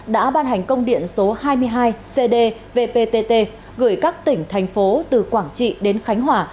đã ban hành công điện số hai mươi hai cd vptt gửi các tỉnh thành phố từ quảng trị đến khánh hòa